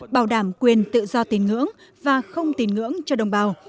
bảo đảm quyền tự do tín ngưỡng và không tin ngưỡng cho đồng bào